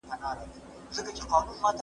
له ورېځې وېره